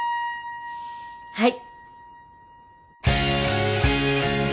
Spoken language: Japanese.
はい。